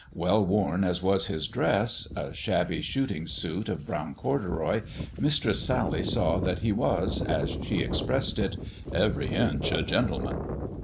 Well worn as was his dress, a shabby shooting suit of brown corduroy. Mistress Sally saw that he was, as she expressed it, every inch a gentleman."